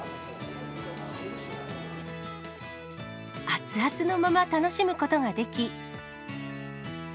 熱々のまま楽しむことができ。